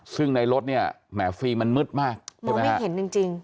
ซึ่งในรถเนี่ยแหมฟรีมันมืดมากใช่ไหมไม่เห็นจริง